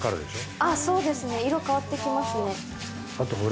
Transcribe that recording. あっそうですね色変わって来ますね。